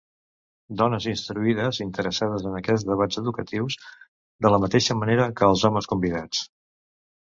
Dones instruïdes interessades en aquests debats educatius, de la mateixa manera que els homes convidats.